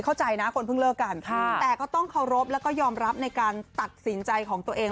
เข้าใจนะคนเพิ่งเลิกกันแต่ก็ต้องเคารพแล้วก็ยอมรับในการตัดสินใจของตัวเอง